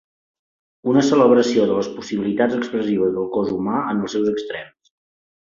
Una celebració de les possibilitats expressives del cos humà en els seus extrems.